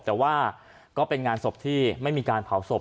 แต่ว่าก็เป็นงานศพที่ไม่มีการเผาศพ